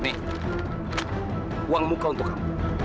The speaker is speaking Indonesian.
ini uang muka untuk kamu